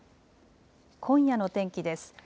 今夜の天気です。